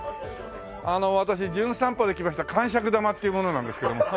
あの私『じゅん散歩』で来ました癇癪玉っていう者なんですけども。